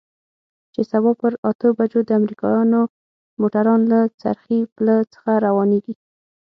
چې سبا پر اتو بجو د امريکايانو موټران له څرخي پله څخه روانېږي.